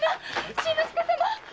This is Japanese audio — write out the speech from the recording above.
新之助様！